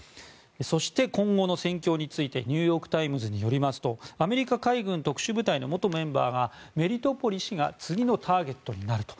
そして、今後の戦況についてニューヨーク・タイムズによりますとアメリカ海軍特殊部隊の元メンバーがメリトポリ市が次のターゲットになると。